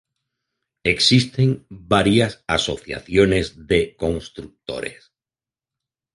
Existen varias asociaciones de constructores.